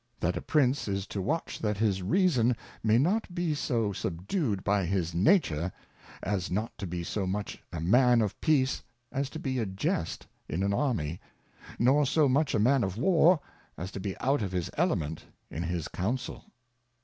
That a Prince is to watch that his Reason may not be so subdued by his Nature, as not to be so much a Man of Peace, as to be a jest in an Army ; nor so much a Man of JVar, as to be out of his Element in his Council.